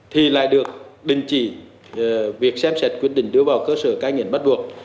thì lại được đình chỉ việc xem xét quyết định đưa vào cơ sở cai nghiện bắt buộc